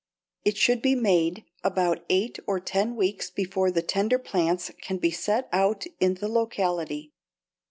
It should be made about eight or ten weeks before the tender plants can be set out in the locality.